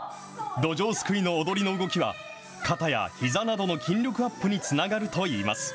どじょうすくいの踊りの動きは、肩やひざなどの筋力アップにつながるといいます。